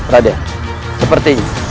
rade seperti ini